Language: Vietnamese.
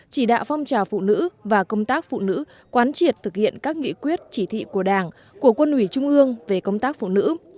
chỉ đạo phong trào phụ nữ và công tác phụ nữ quán triệt thực hiện các nghị quyết chỉ thị của đảng của quân ủy trung ương về công tác phụ nữ